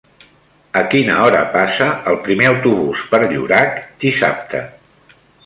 A quina hora passa el primer autobús per Llorac dissabte?